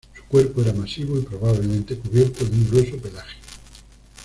Su cuerpo era masivo y probablemente cubierto de un grueso pelaje.